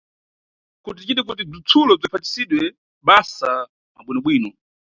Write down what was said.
Kuti ticite kuti bzitsulo bziphatisidwe basa mwabwinobwino.